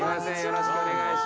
よろしくお願いします。